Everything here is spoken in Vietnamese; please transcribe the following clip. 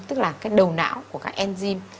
tức là cái đầu não của các enzyme